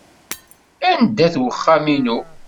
Anda-t wexxam-inu?